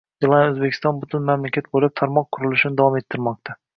Beeline Uzbekistan butun mamlakat bo‘ylab tarmoq qurilishini davom ettirmoqda